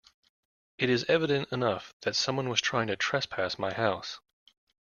It is evident enough that someone was trying to trespass my house.